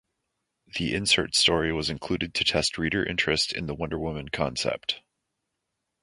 The insert story was included to test reader interest in the Wonder Woman concept.